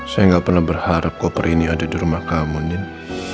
saya nggak pernah berharap koper ini ada di rumah kamu nih